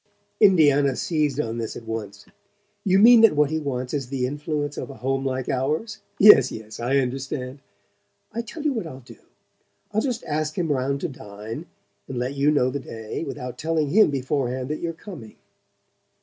Indiana seized on this at once. "You mean that what he wants is the influence of a home like ours? Yes, yes, I understand. I tell you what I'll do: I'll just ask him round to dine, and let you know the day, without telling him beforehand that you're coming."